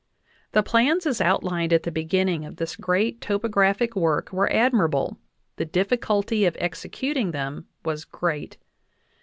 The plans as outlined at the beginning of this great topo graphic work were admirable ; the difficulty of executing them was great.